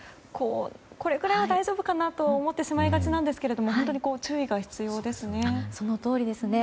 これくらいは大丈夫かなと思ってしまいがちなんですが本当に注意が必要ですね。